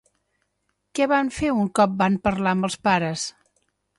Què van fer un cop van parlar amb els pares?